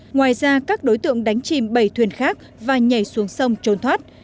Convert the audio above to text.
ngoài ra các đối tượng đánh chìm bảy thuyền khác và nhảy xuống sông trốn thoát